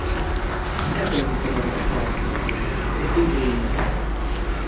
ناتوانین هەر وا ڕەفتار بکەین کە هیچ ڕووی نەداوە.